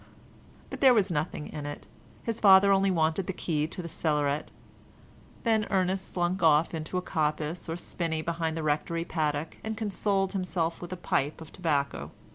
But there was nothing in it; his father only wanted the key of the cellaret. Then Ernest slunk off into a coppice or spinney behind the Rectory paddock, and consoled himself with a pipe of tobacco.